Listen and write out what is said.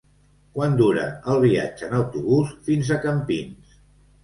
Quant dura el viatge en autobús fins a Campins?